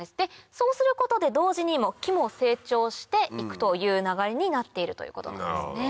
そうすることで同時に木も成長して行くという流れになっているということなんですね。